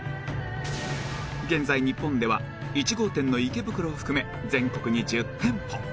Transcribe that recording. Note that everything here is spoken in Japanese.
現在日本では１号店の池袋を含め全国に１０店舗